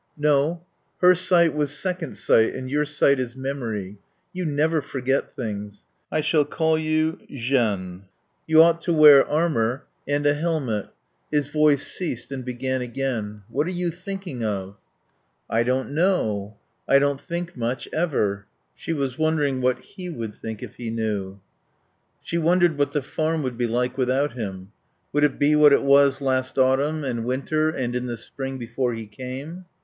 "No. Her sight was second sight; and your sight is memory. You never forget things.... I shall call you Jeanne. You ought to wear armour and a helmet." His voice ceased and began again. "What are you thinking of?" "I don't know. I don't think much, ever." She was wondering what he would think if he knew. She wondered what the farm would be like without him. Would it be what it was last autumn and winter and in the spring before he came?